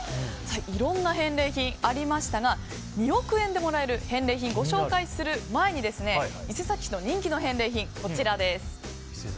いろんな返礼品がありましたが２億円でもらえる返礼品をご紹介する前に伊勢崎市の人気の返礼品です。